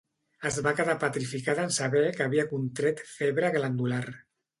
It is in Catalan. Es va quedar petrificada en saber que havia contret febre glandular